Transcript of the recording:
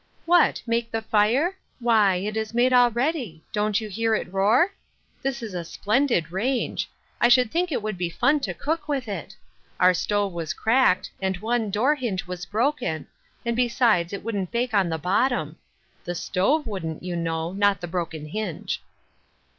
" What, make the fire ? Why, it is made 1^2 Ruth Er shine's Crosses already! Don't you hear it roar? This is a splendid range ; I should think it would be fun to cook with it. Our stove was cracked, and one door hinge was broken, and besides it wouldn't bake on the bottom. The stove wouldn't, you know — not the broken hinge."